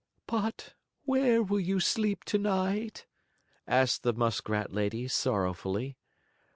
"But where will you sleep to night?" asked the muskrat lady, sorrowfully.